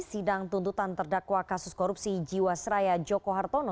sidang tuntutan terdakwa kasus korupsi jiwa seraya joko hartono